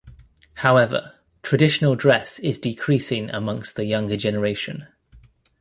However, traditional dress is decreasing amongst the younger generation.